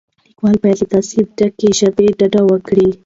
لیکوال باید له تعصب ډکې ژبې ډډه وکړي.